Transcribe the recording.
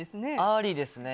ありですね。